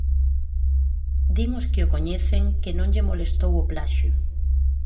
Din os que o coñecen que non lle molestou o plaxio.